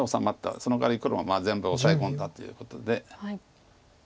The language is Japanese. そのかわり黒が全部をオサエ込んだっていうことで。